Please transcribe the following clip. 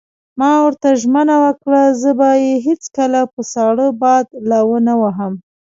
ما ورته ژمنه وکړه: زه به یې هېڅکله په ساړه باد لا ونه وهم.